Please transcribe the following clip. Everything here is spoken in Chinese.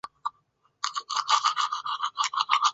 螯埃齿螯蛛为球蛛科齿螯蛛属的动物。